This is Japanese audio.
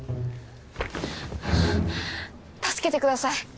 助けてください！